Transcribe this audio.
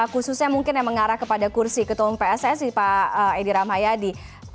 khususnya mungkin yang mengarah kepada kursi ketua pssi pak edi rahmayadi